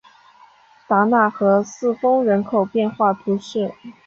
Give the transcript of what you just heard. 达讷和四风人口变化图示